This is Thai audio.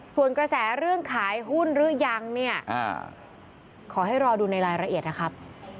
ส่วนกระแสเรื่องขายหุ้นหรือยังเนี่ยขอให้รอดูในรายละเอียดนะครับ